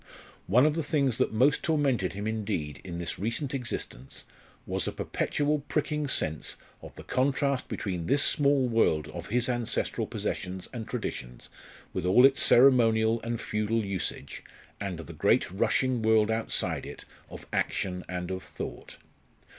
One of the things that most tormented him indeed in this recent existence was a perpetual pricking sense of the contrast between this small world of his ancestral possessions and traditions, with all its ceremonial and feudal usage, and the great rushing world outside it of action and of thought.